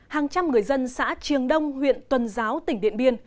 hàng trăm người dân xã triềng đông huyện tuần giáo tỉnh điện biên